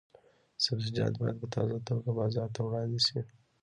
سبزیجات باید په تازه توګه بازار ته وړاندې شي.